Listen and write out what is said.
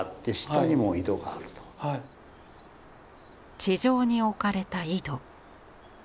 地上に置かれた井戸。